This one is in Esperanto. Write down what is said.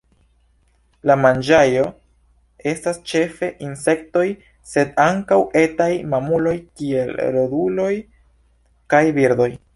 La manĝaĵo estas ĉefe insektoj, sed ankaŭ etaj mamuloj, kiel roduloj kaj birdoj.